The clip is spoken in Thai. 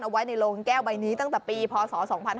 ไว้ในโรงแก้วใบนี้ตั้งแต่ปีพศ๒๕๕๙